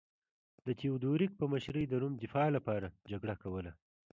د تیودوریک په مشرۍ د روم دفاع لپاره جګړه کوله